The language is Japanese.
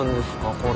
これ。